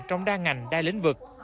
trong đa ngành đa lĩnh vực